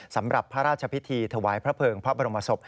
สำหรับพระราชพิธีถวายพระเภิงพระบรมศพ